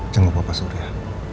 jenguk bapak surya